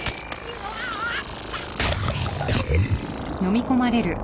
うわあっ！？